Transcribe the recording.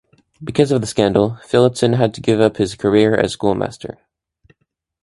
Because of the scandal, Phillotson has to give up his career as a schoolmaster.